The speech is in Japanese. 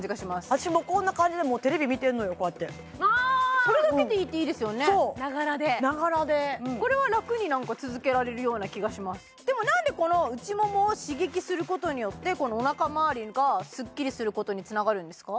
私もこんな感じでテレビ見てんのよこうやってそれだけでいいっていいですよねながらでこれはラクに続けられるような気がしますでも何でこの内ももを刺激することによってお腹周りがスッキリすることにつながるんですか？